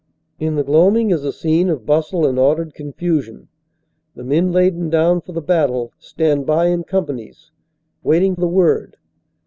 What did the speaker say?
In the gloaming is a scene of bustle and ordered confusion. The men laden down for the battle, stand by in companies, waiting the word.